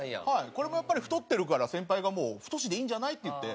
これもやっぱり太ってるから先輩がもう「太でいいんじゃない？」って言って。